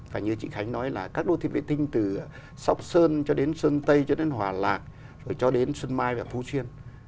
và như chị khánh nói là các đô thị vệ tinh từ sóc sơn cho đến sơn tây cho đến hòa lạc cho đến sơn mai và phú chiên